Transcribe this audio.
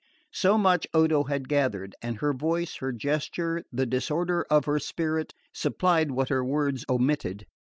So much Odo had gathered; and her voice, her gesture, the disorder of her spirit, supplied what her words omitted.